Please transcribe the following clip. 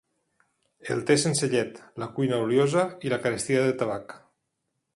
El te sense llet, la cuina oliosa i la carestia de tabac